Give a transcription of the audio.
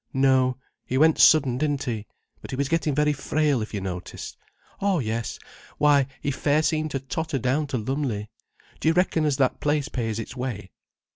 No, he went sudden, didn't he? But he was getting very frail, if you noticed. Oh yes, why he fair seemed to totter down to Lumley. Do you reckon as that place pays its way?